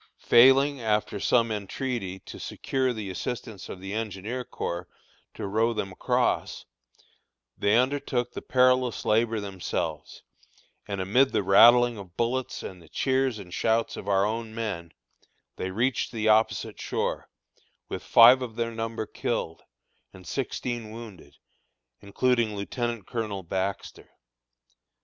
Failing, after some entreaty, to secure the assistance of the engineer corps to row them across, they undertook the perilous labor themselves, and amid the rattling of bullets and the cheers and shouts of our own men, they reached the opposite shore, with five of their number killed, and sixteen wounded, including Lieutenant Colonel Baxter.